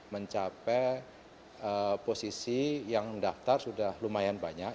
mencapai posisi yang mendaftar sudah lumayan banyak